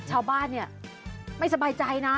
ชาวบ้านไม่สบายใจนะ